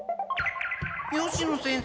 吉野先生